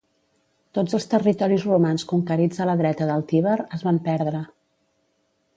Tots els territoris romans conquerits a la dreta del Tíber, es van perdre.